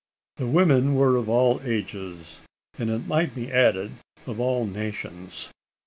The women were of all ages; and, it might be added, of all nations.